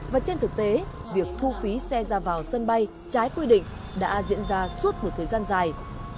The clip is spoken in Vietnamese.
và trên thực tế việc thu phí xe ra vào sân bay trái quy định đã diễn ra suốt một thời gian dài